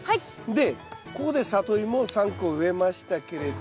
でここでサトイモを３個植えましたけれど。